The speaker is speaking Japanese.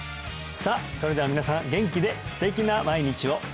さあそれでは皆さん元気で素敵な毎日を！